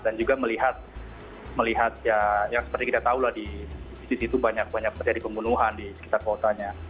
dan juga melihat melihat ya seperti kita tahu lah di istri itu banyak banyak terjadi pembunuhan di sekitar kotanya